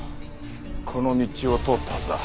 この道を通ったはずだ。